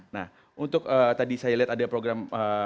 nah untuk tadi saya lihat ada program